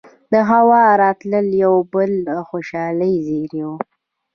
دهوا راتلل يو بل د خوشالۍ زېرے وو